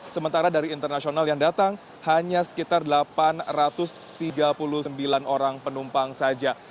sementara dari internasional yang datang hanya sekitar delapan ratus tiga puluh sembilan orang penumpang saja